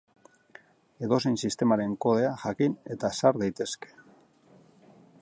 Edozein sistemaren kodea jakin eta sar daitezke.